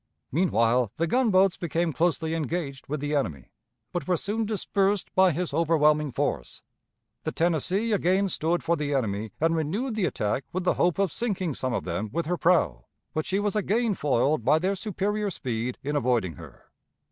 Meanwhile the gunboats became closely engaged with the enemy, but were soon dispersed by his overwhelming force. The Tennessee again stood for the enemy and renewed the attack with the hope of sinking some of them with her prow, but she was again foiled by their superior speed in avoiding her.